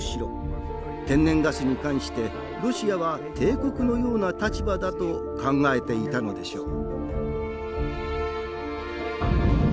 天然ガスに関してロシアは帝国のような立場だと考えていたのでしょう。